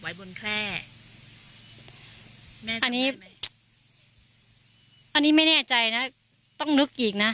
บนแคร่อันนี้อันนี้ไม่แน่ใจนะต้องนึกอีกนะ